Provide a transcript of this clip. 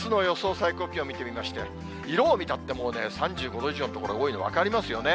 最高気温見てみましても、色を見たって、もうね、３５度以上の所が多いの分かりますよね。